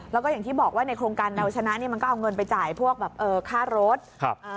แล้วที่บอกว่าในโครงการเราลชะนะมันก็เอาเงินไปจ่ายค่ารถขึ้นบินมอเตอร์ไซค์